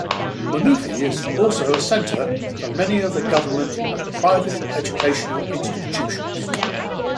Mannuthy is also a center for many of the government and private educational institutions.